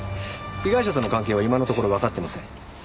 被害者との関係は今のところわかってません。